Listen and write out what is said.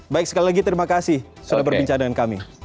baik sekali lagi terima kasih sudah berbincang dengan kami